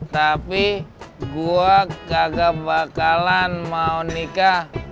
tapi gue kagak bakalan mau nikah